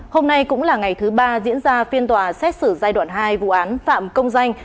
hôm nay cũng là ngày thứ ba diễn ra phiên tòa xét xử giai đoạn hai vụ án phạm công danh